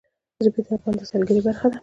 ژبې د افغانستان د سیلګرۍ برخه ده.